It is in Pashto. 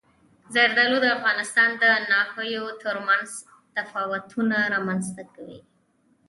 زردالو د افغانستان د ناحیو ترمنځ تفاوتونه رامنځ ته کوي.